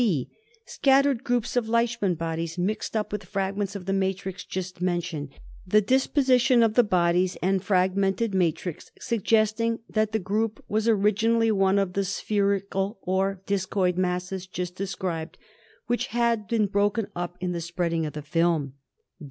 KALA AZAR. I4I (c) Scattered groups of Leishman bodies mixed up with fragments of the matrix just mentioned, the dis position of the bodies and fragmented matrix suggesting that the group was originally one of the spherical or discoid masses just described, which had been broken up in the spreading of the film.